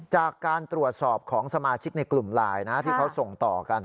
จากการตรวจสอบของสมาชิกในกลุ่มไลน์นะที่เขาส่งต่อกัน